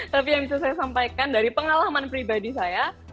tapi yang bisa saya sampaikan dari pengalaman pribadi saya